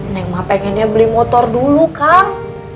neng mah pengennya beli motor dulu kang